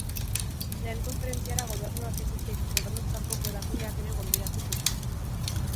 Lehen konferentziara gobernuak ez ezik, gobernuz kanpoko erakundeak ere gonbidatu zituzten.